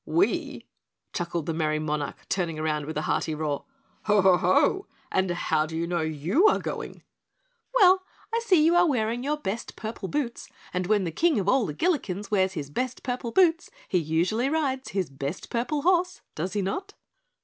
"WE!" chuckled the merry monarch, turning round with a hearty roar. "Ho, Ho, HO! And how do you know YOU are going?" "Well, I see you are wearing your best purple boots, and when the King of all the Gillikens wears his best purple boots, he usually rides his best purple horse, does he not?"